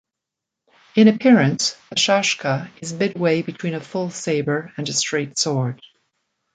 In appearance, the shashka is midway between a full sabre and a straight sword.